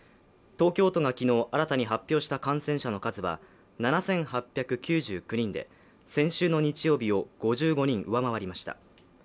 東京都が昨日、新たに発表した感染者の数は７８９９人で先週の日曜日を５５人上回りました。